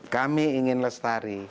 kami ingin lestari